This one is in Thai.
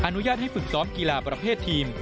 อนุญาตให้ฝึกซ้อมกีฬาประเภททีม